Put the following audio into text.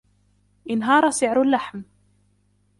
انهار سعر اللحم.